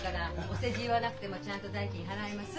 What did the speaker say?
お世辞言わなくてもちゃんと代金払います。